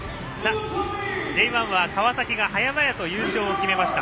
Ｊ１は川崎が早々と優勝を決めました。